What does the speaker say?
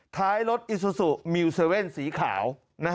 ท้ายรถอิซูซูมิวเซเว่นสีขาว